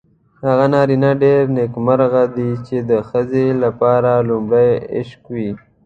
هغه نارینه ډېر نېکمرغه دی چې د ښځې لپاره لومړی عشق وي.